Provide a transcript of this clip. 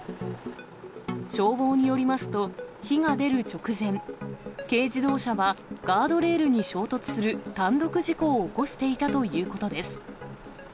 消防によりますと、火が出る直前、軽自動車はガードレールに衝突する単独事故を起こしていたということです。